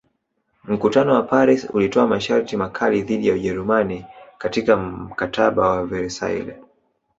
Mkutano wa Paris ulitoa masharti makali dhidi ya Ujerumani katika Mkataba wa Versaille